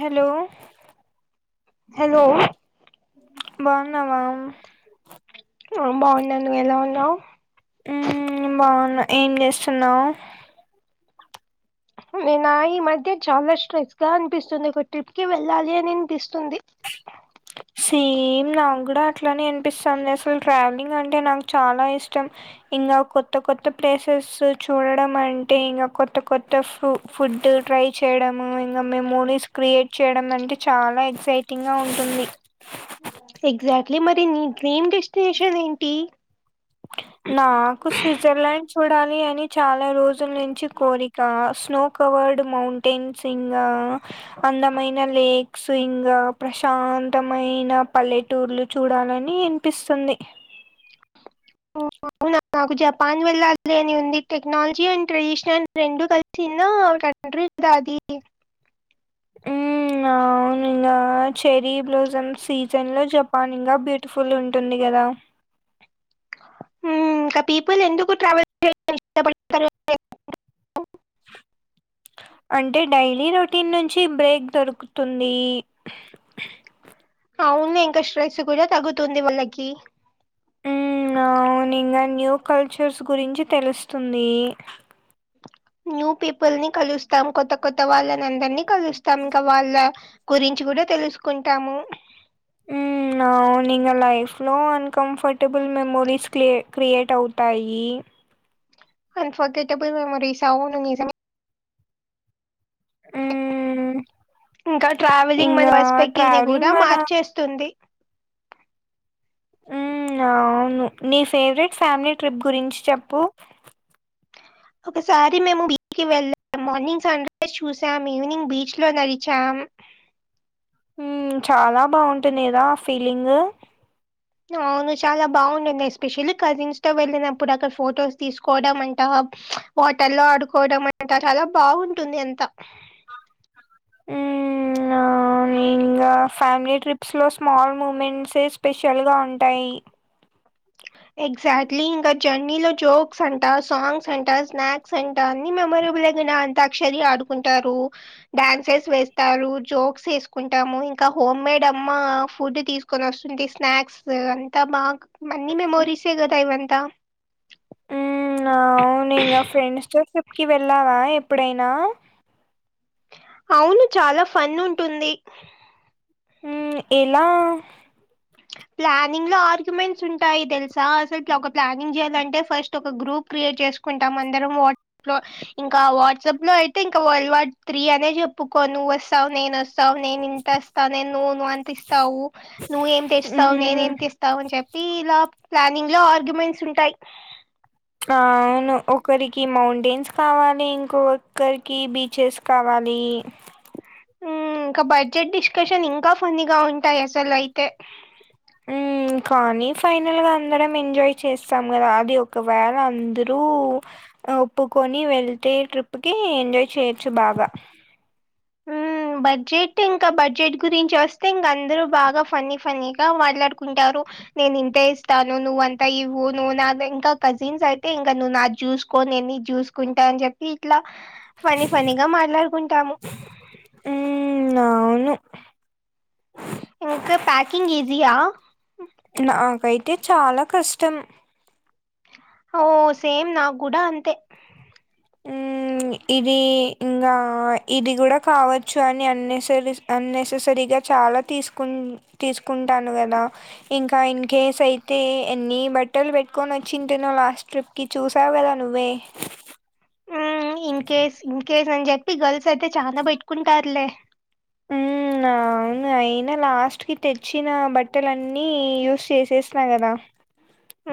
Hello hello బాగున్నావా ఆ బాగున్నా నువ్వు ఎలా ఉన్నావు ఉం బాగున్నా ఏం చేస్తున్నావు నేనా ఈ మధ్య చాలా స్ట్రెస్ గా అనిపిస్తుంది ఒక ట్రిప్ కి వెళ్ళాలి అని అనిపిస్తుంది సేమ్ నాకు కూడా అట్లానే అనిపిస్తుంది అసలు ట్రావెలింగ్ అంటే నాకు చాలా ఇష్టం ఇంగ కొత్త కొత్త ప్లేసెస్ చూడడం అంటే ఇంగ కొత్త కొత్త ఫు ఫుడ్ ఫ్రై చేయడము ఇంగ మేం మూవీస్ క్రియేట్ చేయడం అంటే చాలా ఎక్సైటింగ్ గా ఉంటుంది ఎగ్జాక్ట్లీ మరి నీ డ్రీమ్ డెస్టినేషన్ ఏంటి నాకు స్విజర్లండ్ చూడాలి అని చాలా రోజుల నుంచి కోరిక స్నో కవర్డ్ మౌంటైన్స్ ఇంగ అందమైన లేక్స్ ఇంగ ప్రశాంత తమైన పల్లెటూర్లు చూడాలని అనిపిస్తుంది ఓ అవునా నాకు జపాన్ వెళ్ళాలి అని ఉంది టెక్నాలజీ అండ్ ట్రెడిషనల్ రెండు కలిసిందా ఆవి నన్ీ దాది [unintelligible] మ్మ్ అవును ఇకా చెరీ [unintelligible] బ్లజమ్ సీజన్ లో జపాన్ గా బ్యూటిఫుల్ ఉంటుంది కదా ఇంకా పీపుల్ [unintelligible] ఎందుకు ట్రావెల్ అంటే డైలీ రొటీన్ నుంచి బ్రేక్ దొరుకుతుంది అవును ఇంకా స్ట్రెస్ కూడా తగ్గుతుంది వాళ్ళకి ఉం అవును ఇంగ న్యూ కల్చర్స్ గురించి తెలుస్తుంది న్యూ పీపుల్ ని కలుస్తాం కొత్త కొత్త వాళ్ళని అందరినీ కలుస్తాం ఇంకా వాళ్ళ గురించి కూడా తెలుసుకుంటాము హ్మ్ అవును ఇంగ లైఫ్లో అన్కంఫర్టబుల్ మెమోరీస్ క్రి క్రియేట్ అవుతాయి అన్ఫర్గెటబల్ మెమోరీస్ అవును నిజమే ఉం ఇంకా ట్రావెలింగ్ మన పర్స్పెక్టివ్ ని ట్రావెలింగ్ కూడా మన మార్చేస్తుంది ఉం అవును నీ ఫేవరెట్ ఫ్యామిలీ ట్రిప్ గురించి చెప్పు ఒకసారి మేము బీచ్ కి వెళ్ళాం మార్నింగ్ సన్ రైజ్ చూసాం ఈవినింగ్ బీచ్ లో నడిచాం ఉం చాలా బాగుంటుంది కదా ఆ ఫీలింగ్ అవును చాలా బాగుండింది ఎస్పెషల్లీ కజిన్స్ తో వెళ్ళినప్పుడు అక్కడ ఫొటోస్ తీసుకోవడం అంతా వాటర్ ల్లో ఆడుకోవడం అంటా చాలా బాగుంటుంది అంతా [inaudible] ఆమె ఏం ఇగ ఫ్యామిలీ ట్రిప్స్ లో స్మాల్ మూమెంట్స్ స్పెషల్ గా ఉంటాయి ఎగ్జాట్లీ ఇంకా జర్నీలో జోక్స్ అంట సాంగ్స్ అంట స్నాక్స్ అంట అన్ని మెమోరబుల్ అ అంతాక్షరి ఆ డుకుంటారు డ్యాన్సెస్ వేస్తారు జోక్స్ యేసుకుంటాము ఇంకా హోమ్ మేడ్ అమ్మ ఫుడ్ తీసుకొని వస్తుంది స్నాక్స్ అంతా బాగా అన్ని హ్మ్. మెమోరీసే గదా ఇదంతా ఉమ్ అవునింగా ఫ్రెండ్స్ తో ట్రిప్కి వెళ్ళావా ఎప్పుడైనా అవును చాలా ఫన్ ఉంటుంది ఉమ్ ఎలా ప్లానింగ్ లో ఆర్గ్యుమెంట్స్ ఉంటాయి దెలుసా అసలు ఇలా ఒక ప్లానింగ్ జేయాలంటే ఫస్ట్ ఒక గ్రూప్ క్రియేట్ చేసుకుంటాం అందరం వాట్సాప్ లో ఇంకా వాట్సాప్ లో అయితే ఇంక వరల్డ్ వార్ త్రీ అనే చె ఉకో నువ్ వస్తావ్ నేన్ వస్తా స్తావ్ నేను ఇంత ఇస్తా నే నువు నువ్ అంత ఇస్తావు నువ్వు ఏం తెస్తావు నేన్ హ్మ్. ఏ ఇస్తావు అని చె ఎఫ్టి ఇలా ప్లానింగ్ లో ఆర్గ్యుమెంట్స్ ఉంటాయి అవును ఒకరికి మౌంటైన్స్ కావాలి ఇంకొక్కరికి బీచెస్ కావాలి అనీ ఉమ్ ఇంకా బడ్జెట్ డిస్కషన్ ఇంకా ఫనీగా ఉంటాయి అసలు అయితే మ్మ్ కానీ ఫైనల్ గా అందరం ఎంజాయ్ చేస్తాం గదా అది ఒకవేళ అందరూ ఒప్పుకొని వెళ్తే ట్రిప్కి ఎంజాయ్ చేయొచ్చు బాగా ఉమ్ బడ్జెట్ ఇంకా బడ్జెట్ గురించి వస్తే ఇంగ అందరు బాగా ఫన్నీ ఫన్నీ గా మాట్లాడుకుంటారు నేను ఇంతే ఇస్తాను నువ్వ్ అంతా ఇవ్వు నువ్ నా ఇంకా కజిన్స్ అయితే ఇంకా నువ్వు నాకు చూసుకోని నేనే జూసుకుంటా అని జెప్పి ఇట్లా ఫన్ని ఫన్ని గా మాట్లాడుకుంటాము ఉమ్ అవును ఇంకా పాకింగ్ ఈజీయా అంటే చాలా కష్టం ఓ సేమ్ నాకు గూడా అంతే ఉమ్ ఇది ఇంగా ఇది గూడా కావచ్చు అని అన్నేసరీస్ అన్నేససరీగా చాలా తీసుకుంటాను కదా ఇంకా ఇన్ కేస్ అయితే ఎన్ని బట్టలు పెట్టుకొని వచ్చింటేనో లాస్ట్ ట్రిప్కి చూసావు గదా నువ్వే ఉమ్ ఇన్ కేస్ ఇన్ కేస్ అని చెప్పి గర్ల్స్ అయితే చానా బెట్టుకుంటారులే ఉమ్ ఉమ్ అవును అయినా లాస్ట్ కి తెచ్చిన బట్టల అన్నీ యూస్ చేసేసిన కదా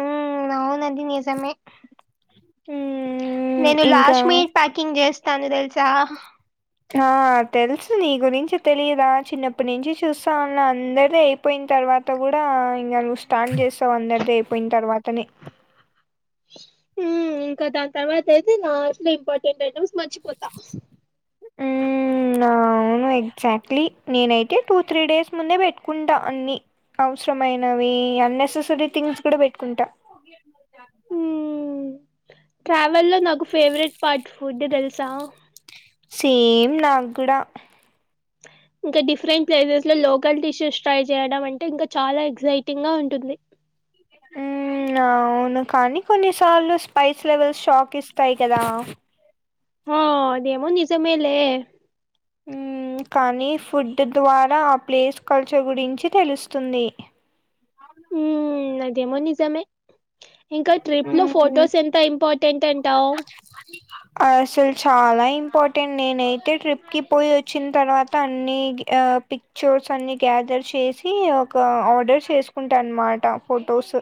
ఉమ్ అవునండి నిజమే మ్మ్ నేను ఇంకా లాస్ట్ మినిట్ ప్యాకింగ్ జేస్తాను దెలుసా ఆ తెలుసు నీ గురించి తెలియదా చిన్నప్పటి నుంచి చూస్తా ఉన్నా అందరిది అయిపోయి త ర్వాత గూడా ఇంగ నువ్వు స్టాండ్ జేస్తవ్ అందరిది అయిపోయిన తర్వాతనే ఉమ్ ఇంకా దాని తర్వాత అయితే నా ఇంపార్టెంట్ అయిటమ్స్ మచ్చి ఉమ్ ఆ అవును ఎగ్జాక్ట్లీ నేనైతే టూ త్రీ డేస్ ముందే పెట్టుకుంటా అన్ని అవసరమైనవి అన్నెసెసరీ థింగ్స్ కూడా పెట్టుకుంటా ట్రావెల్ లో నాకు ఫేవరెట్ పార్ట్ ఫుడ్ దెలుసా సేమ్ నాకు గూడా ఇంకా డిఫరెంట్ ప్లైజెస్ లో లోకల్ డిషెస్ ట్రై చేయడం అంటే ఇంకా చాలా ఎక్సైటింగ్ గా ఉంటుంది మ్ మ్ అవును కానీ కొన్నిసార్లు స్పైస్ లెవెల్స్ షాక్ ఇస్తాయి కదా ఓ ఆదేమో నిజమేలే మ్ కానీ ఫుడ్ ద్వారా ఆ ప్లేస్ కల్చర్ గురించి తెలుస్తుంది మ్ అదేమొ నిజామే ఇంకా ట్రిప్ లో మ్మ్ ఫొటోస్ ఎంత ఇంపార్టెంట్ అంటావ్ అసలు చాలా ఇంపార్టెంట్ నేనైతే ట్రిప్ కి పోయి వచ్చిన తర్వాత అన్ని గ్ పిక్చర్స్ అన్ని గ్యాద్ దర్ చేసి ఒక ఆర్డర్ చేసుకుంటా అన్నమాట ఫొటోస్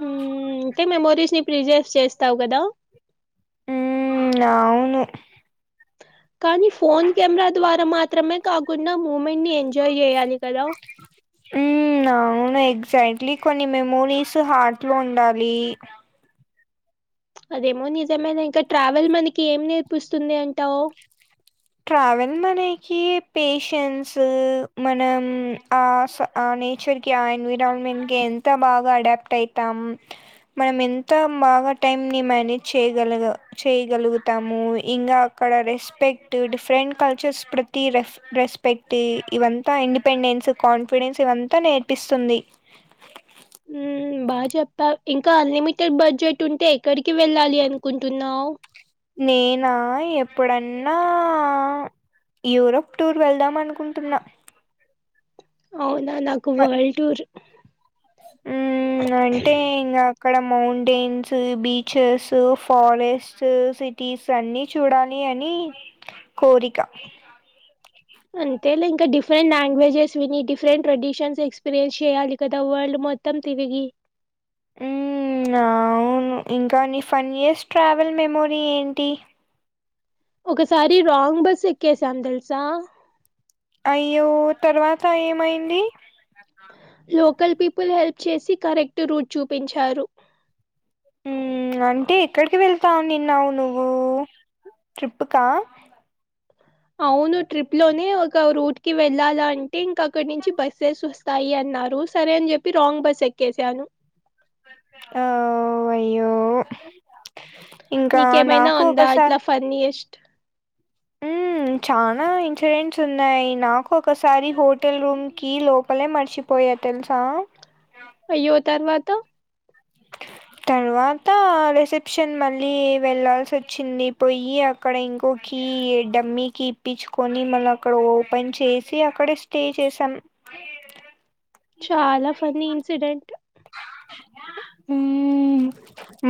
మ్ అంటే మెమోరీస్ ని ప్రిజర్వ్ చేస్తావు్ కదా మ్మ్ అవును కానీ ఫోన్ కెమెరా ద్వారా మాత్రమే కాకుండా మూమెంట్ ని ఎంజాయ్ చేయ్యాలి మ్ అవును ఎగ్ గ్జాక్ట్లీ కొన్ని మెమోరీస్ హార్ట్ లో ఉండాలి అదేమో నిజమేలే ఇంకా ట్రావెల్ మనకి ఏం నేర్పిస్తుంది అంటావ్ ట్రావెల్ంగ్ మనేకి పేషన్స్ మనం ఆస్ అ నేచర్ కి ఆ ఎన్విరాన్మెంట్ కి ఎంత బాగా అడాప్ట్ అయితాం మనం ఎంత బాగా టైం ని మేనేజ్ చేయగలగ చేయగలుగుతాము ఇంగ క్కడ రెస్పెక్ క్ట్ డిఫరెంట్ కల్చర్స్ ప్రతి రె రెస్పెక్ట్ ఇవంతా ఇండిపెండెన్స్ కాన్ఫిడెన్స్ ఇవ అంతా నేర్పిస్తుంది మ్ బాగా చెప్పా ఇంకా అన్లిమిటెడ్ బడ్జెట్ ఉంటే ఎక్కడికి వెళ్ళాలి అనుకుంటున్నావ్ నేనా ఎప్పుడన్నా యూరోప్ టూర్ వెళ్దాం అనుకుంటున్నా అవునా నాకు వరల్డ్ టూర్ మ్ అంటే ఇంగ క్కడ మౌంటైన్స్ బీచెస్ ఫారెస్ట్ సిటీస్ అన్ని చూడలీ అని కోరిక అంతే లే ఇంకా డిఫరెంట్ లాంగ్వేజెస్ విని డిఫరెంట్ ట్రెడిషన్స్ ఎక్స్పీరియన్స్ చెయాలి కదా వరల్డ్ మొత్తం తిరిగి మ్ అవును ఇంకా నీ ఫన్యస్ట్ ట్రావెల్ మెమోరీ ఏంటి ఒకసారి రాంగ్ బస్ ఎక్కేసాను తెలుసా అయ్యో తర్వాత ఏమైంది లోకల్ పీపుల్ హెల్ప్ చేసి కరెక్ట్ రూట్ చూపించారు మ్ అంటే ఎక్కడికి వెళ్తా ఉనిన్నవ్ నువ్వు ట్రిప్పుకా అవును ట్రిప్ లోనే ఒక రూట్ కి వెళ్ళాలంటే ఇంక అక్కడి నుంచి బస్సెస్ వస్తాయి అన్ న్నారు సరే అని చెప్పి రాంగ్ బస్ ఎక్కేసాను ఆ అయ్యో ఇంకా నీకేమైనా నాకు ఉందా ఒకసారి ఇట్లా ఫన్నీయెస్ట్? చనా ఇన్సిడెంట్స్ ఉన్నాయి నాకు ఒకసారి హోటల్ రూమ్ కి లోపలే మర్చిపో వేయ తెలుసా అయ్యో! తర్వాత? తర్వాత రిసెప్షన్ మళ్ళీ వెళ్ళల్సి వచ్చింది పోయి అక్కడ ఇంకో కి కి డమ్మీకి ఇప్పించుకొని మళ్ళ అక్కడ ఓపెన్ చేసి అక్కడ స్టే చేసాం చాలా పన్నీ ఇన్సిడెంట్ ఊ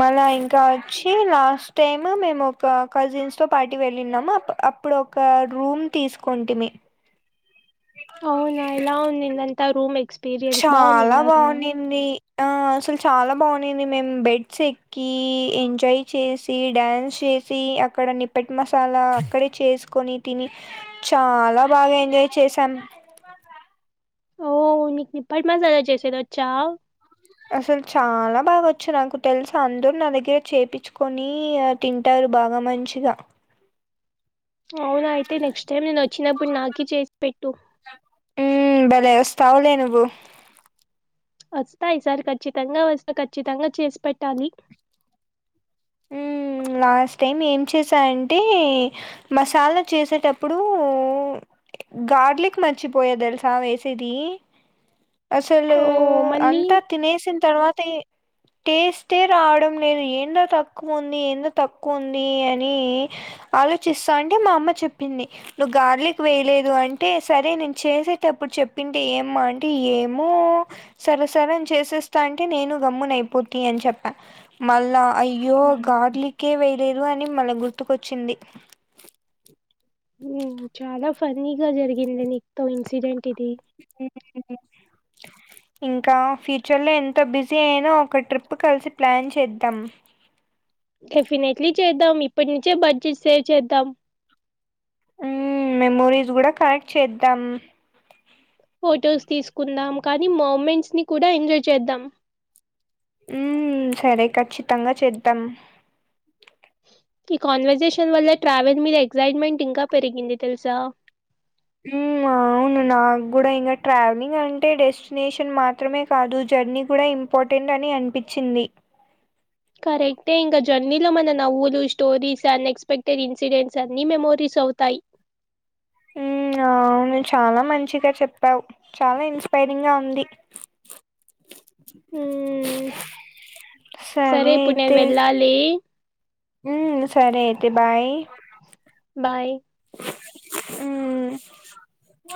మళ్ళ ఇంకా వచ్చి లాస్ట్ టైమ్ మేము ఒక కజిన్స్ తో పార్టీ వెళ్ళినము అప్పుడు ఒక రూమ్ తీసుకుంటిమి అవునా ఎలా ఉన్నింది అంతా రూమ్ ఎక్స్పీరియన్స్ చాలా బాగున్నింద ఆ రూమ్ బావునింది. ఆ అసలు చాలా బాగున్నింది మేము బెడ్స్ ఎక్కి ఎంజాయ్ చేసి డ్యాన్స్ చేసి అక్కడ నిప్పెట్ మసాలా అక్కడే చేసుకొని తిని చాలా బాగా ఎంజాయ్ చేసాం [inaudible] ఓ నీకు నిప్పట్ మసాలా చేసేది వచ్చా అసలు చాలా బాగొచ్చు నాకు తెలుసు అందరు నా దగ్గర చేపిచ్చుకొని తింటారు బాగా మంచిగా అవునా అయితే నెక్స్ట్ టైం నేను వచ్చినప్పుడు నాకి చేసి పెట్టు ఊ బలే వస్తావులే నువ్వు వస్తా ఈ సార్ ఖచ్చితంగా వస్తా ఖచ్చితంగా చేసి పెట్టాలి హ్మ్ లాస్ట్ టైం ఏం చేశాయంటే మసాలా చేసేటప్పుడు గార్లీక్ మర్చి పోయ తెలుసా వేసేది అసలు ఓహ్! మళ్ళీ అంతా తినేసిన తర్వాత టే టేస్టే రావడం లేదు ఏందో తప్పు తక్కువ ఉంది ఎందొ తక్కువ ఉంది అని ఆలోచిస్తా అంటే మా అమ్మ చెప్పింది ను గార్లిక్ వేయలేదు అంటే సరే నేను చేసేటప్పుడు చెప్పింటే ఏమ్మా అంటే ఏమో సర సర అని చేసేస్తా అంటే నేను గమ్మున అయిపోతి అని చెప్పా మళ్ళా అయ యో హ్మ్. గార్లిక్ ఏ వే లేదు అని మళ్ళా గుర్తుకొచ్చింది చాలా ఫన్నీగా జరిగింది నీకు తో ఇన్సిడెంట్ ఇది [inaudible] ఇంకా ఫ్యూచర్ లో ఎంత బిజీ అయిన ఒక ట్రిప్ కలిసి ప్లాన్ చేద్దాం డెఫినెట్లీ చేద్దాం ఇప్పటి నుంచే బడ్జెట్ సేవ్ చేద్దాం ఊ మెమోరీస్ కూడా కనెక్ట్ చేద్దాం ఫొటోస్ తీసుకుందాం కానీ మూమెంట్స్ ని కూడా ఎంజాయ్ చేద్దాం ఉ సరే ఖచ్చితంగా చేద్దాం ఈ కాన్వర్సేషన్ వల్ల ట్రావెల్ మీద ఎక్స్జేట్మెంట్ ఇంకా పెరిగింది తెలుసా ఊ అవును నాకు కూడా ఇంకా ట్రావెలింగ్ అంటే డెస్టినేషన్ మాత్రమే కాదు జ జర్నీ కూడా ఇంపార్టెంట్ అని అనిపించింది కరక్ట్ ఏ ఇంకా జర్నీలో మన నవ్వులు స్టోరీస్ అన్ ఎక్స్పెక్టెడ్ ఇన్సిడెంట్స్ అన్ని మెమోరీస్ చౌతాయి ఇంగ అవును చాలా మంచిగా చెప్పావు చాలా ఇన్స్పైరింగ్గా ఉంది మ్మ్. సరే ఇప్పుడు నేను అయితే వెళ్ళాలి ఉ సరే అయితే బాయ్ బాయ్ హు